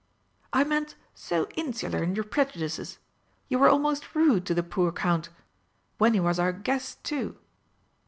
"I meant, so insular in your prejudices. You were almost rude to the poor Count. When he was our guest, too!"